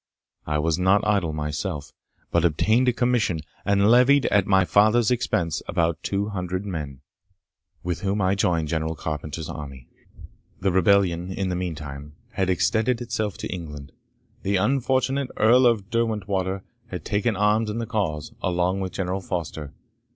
I was not idle myself, but obtained a commission, and levied, at my father's expense, about two hundred men, with whom I joined General Carpenter's army. The rebellion, in the meantime, had extended itself to England. The unfortunate Earl of Derwentwater had taken arms in the cause, along with General Foster.